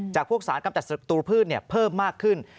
พวกสารกำจัดศัตรูพืชเพิ่มมากขึ้น